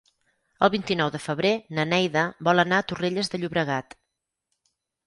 El vint-i-nou de febrer na Neida vol anar a Torrelles de Llobregat.